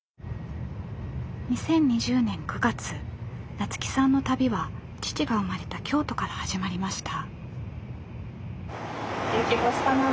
菜津紀さんの旅は父が生まれた京都から始まりました。